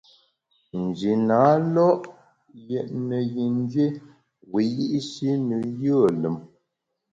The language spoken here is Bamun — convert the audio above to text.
Nji na lo’ yètne yin dié wiyi’shi ne yùe lùm.